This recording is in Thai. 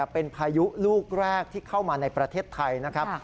เป็นพายุลูกแรกที่เข้ามาในประเทศไทยนะครับ